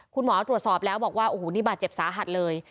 คุณหมอตรวจสอบแล้วบอกว่าโอ้โหนี่บาดเจ็บสาหัสเลย